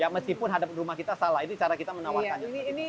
meskipun hadap rumah kita salah itu cara kita menawarkan